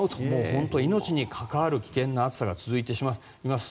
本当に命に関わる危険な暑さが続いてしまいます。